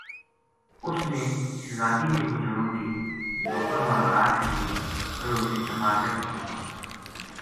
اُس نے شہزادی نے وہ جنو بی لوکاں ما رڑا چھڑیو کِہڑو اِسیں چھپا کے رکھیو تھو